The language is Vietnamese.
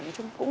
nói chung cũng